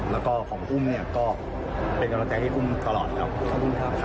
และก็ของคุ่มเนี่ยก็เป็นกำลังใจที่คุ่มตลอดครับ